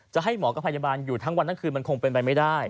จะให้หมอกับพยาบาลอยู่ทั้งวันทั้งคืนมันคงเป็นไปไม่ได้